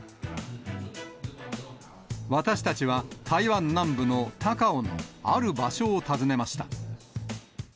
私たちは、台湾南部の高雄のある場所を訪ねました。